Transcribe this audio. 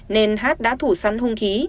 nên h h đã thủ săn hung khí